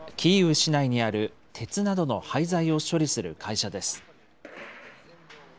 市内にある鉄などの廃材を処理する会社です。